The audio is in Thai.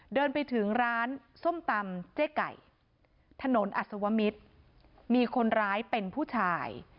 เดินไปถึงร้านส้มตำเจ๊ไก่ถนนอัศวมิตรมีคนร้ายเป็นผู้ชาย